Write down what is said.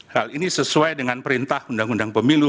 hal ini sesuai dengan perintah undang undang pemilu